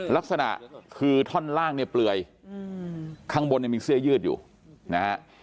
ลักษณะคือท่อนล่างเนี่ยเปลือยข้างบนเนี่ยมีเสื้อยืดอยู่นะฮะ